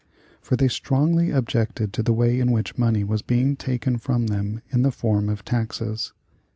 For they strongly objected to the way in which money was being taken from them in the form of taxes.